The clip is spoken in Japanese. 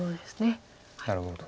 なるほど。